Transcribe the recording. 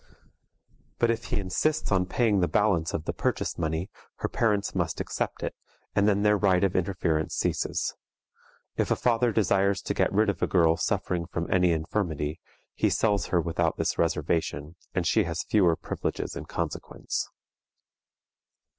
But if he insists on paying the balance of the purchase money, her parents must accept it, and then their right of interference ceases. If a father desires to get rid of a girl suffering from any infirmity, he sells her without this reservation, and she has fewer privileges in consequence.